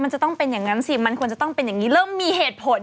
มันจะต้องเป็นอย่างนั้นสิมันควรจะต้องเป็นอย่างนี้เริ่มมีเหตุผล